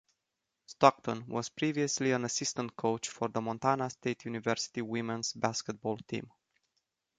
Stockton was previously an assistant coach for the Montana State University women's basketball team.